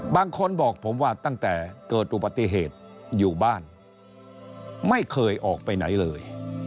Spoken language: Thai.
บางคนบอกผมว่าตั้งแต่เกิดอุบัติเหตุอยู่บ้านไม่เคยออกไปไหนเลย